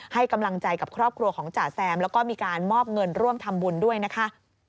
ให้กำลังใจกับครอบครัวของจ่าแซมแล้วก็มีการมอบเงินร่วมทำบุญด้วยนะคะ